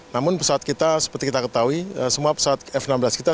namun pesawat kita seperti kita ketahui semua pesawat f enam belas kita